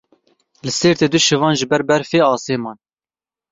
Li Sêrtê du şivan ji ber berfê asê man.